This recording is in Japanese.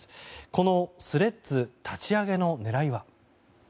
このスレッズ立ち上げの狙いは？